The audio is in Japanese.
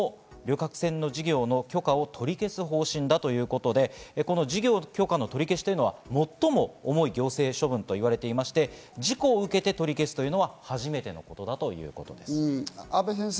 この聴聞を行った後に来月中旬にも旅客船の事業の許可を取り消す方針だということで、事業許可の取り消しは最も重い行政処分と言われていまして、事故を受けて取り消すというのは初めてのことだということです。